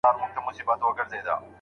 تر څو چې زه يم تر هغو ستا په نامه دې شمه